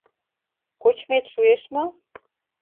— Кочмет шуэш мо?